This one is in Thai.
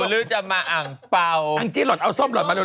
หรือจะมาอ่างเป่าอังจี้หล่อนเอาส้มหล่อนมาเร็